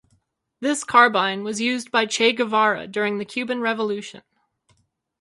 This carbine was used by Che Guevara during the Cuban Revolution.